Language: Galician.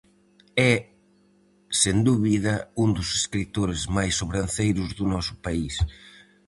É, sen dúbida, un dos escritores máis sobranceiros do noso país.